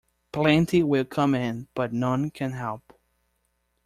Plenty will come in, but none can help.